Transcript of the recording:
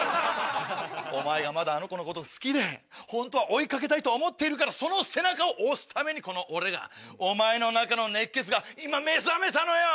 お前がまだあの子のこと好きでホントは追い掛けたいと思っているからその背中を押すためにこの俺がお前の中の熱血が今目覚めたのよ！